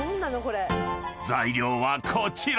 ［材料はこちら］